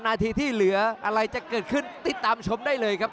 นาทีที่เหลืออะไรจะเกิดขึ้นติดตามชมได้เลยครับ